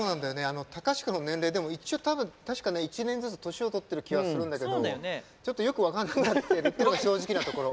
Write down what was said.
あの隆子の年齢でも一応多分確かね１年ずつ年をとってる気はするんだけどちょっとよく分かんなくなってるっていうのが正直なところ。